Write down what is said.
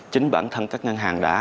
chính bản thân các ngân hàng đã